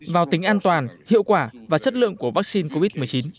vào tính an toàn hiệu quả và chất lượng của vaccine covid một mươi chín